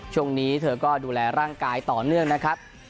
ช่วงนี้เธอก็ดูแลร่างกายต่อเนื่องนะครับ